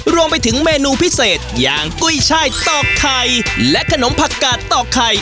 รวมไปถึงเมนูพิเศษอย่างกุ้ยช่ายตอกไข่และขนมผักกาดตอกไข่